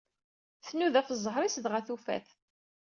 Tnuda ɣef zzheṛ-is, dɣa tufa-t